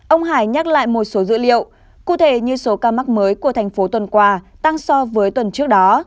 ông hải nhắc lại một số dữ liệu cụ thể như số ca mắc mới của thành phố tuần qua tăng so với tuần trước đó